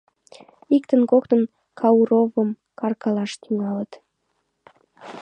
Иктын-коктын Кауровым кыркалаш тӱҥалыт.